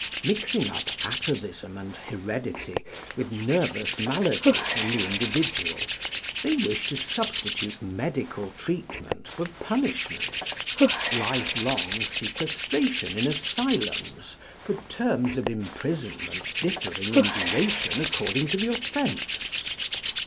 Mixing up atavism and heredity with nervous malady in the individual, they wish to substitute medical treatment for punishment, life long sequestration in asylums for terms of imprisonment differing in duration according to the offence.